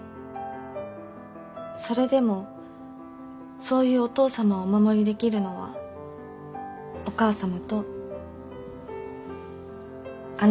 それでもそういうお父様をお守りできるのはお母様とあなた方だけなの。